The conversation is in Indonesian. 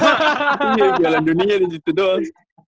ini jalan dunia di situ doang